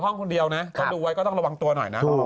ห้องคนเดียวน่ะตอนดูไว้ก็ต้องระวังตัวหน่อยน่ะอ๋อระวัง